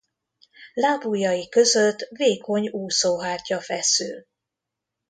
Lábujjai között vékony úszóhártya feszül.